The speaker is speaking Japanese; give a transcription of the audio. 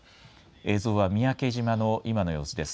映像は三宅島の今の様子です。